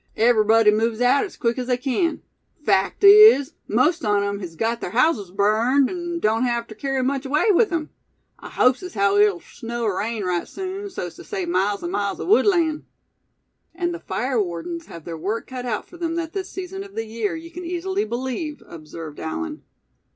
Everybody moves aout quick as they can; fact is, most on 'em hes gut ther houses burned, an' doan't hev ter kerry much away with 'em. I hopes as haow it'll snow er rain right soon, so's tew save miles an' miles o' woodland." "And the fire wardens have their work cut out for them at this season of the year, you can easily believe," observed Allan.